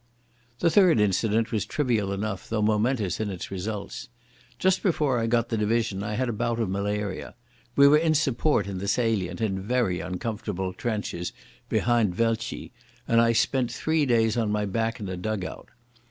The third incident was trivial enough, though momentous in its results. Just before I got the division I had a bout of malaria. We were in support in the Salient, in very uncomfortable trenches behind Wieltje, and I spent three days on my back in a dug out.